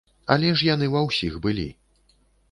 Але ж яны ва ўсіх былі.